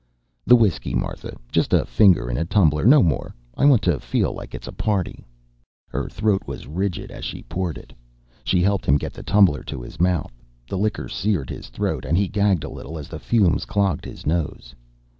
"The whiskey, Martha. Just a finger in a tumbler, no more. I want to feel like it's a party." Her throat was rigid as she poured it. She helped him get the tumbler to his mouth. The liquor seared his throat, and he gagged a little as the fumes clogged his nose.